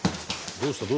どうした？」